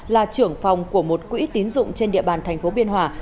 là trưởng phòng của một quỹ tín dụng trên địa bàn tp biên hòa